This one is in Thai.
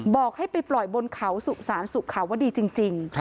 บอกให้ไปปล่อยบนเขาสุสานสุขาวดีจริง